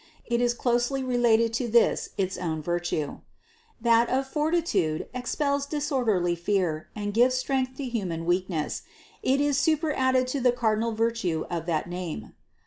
It is closely related to this its own virtue. That of fortitude expels disorderly fear and gives strength to human weakness ; it is superadded to the cardinal virtue of that name.